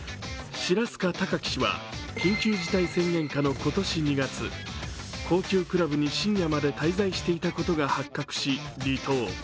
白須賀貴樹氏は緊急事態宣言下の今年２月、高級クラブに深夜まで滞在していたことが発覚し離党。